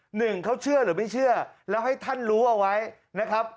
หนึ่งเขาเชื่อหรือไม่เชื่อแล้วให้ท่านรู้เอาไว้นะครับ